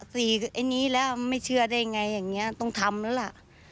สี่ไอ้นี้แล้วมันไม่เชื่อได้ยังไงอย่างเงี้ยต้องทำแล้วล่ะ